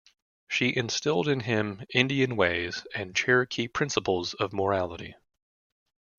She instilled into him "Indian ways" and Cherokee principles of morality.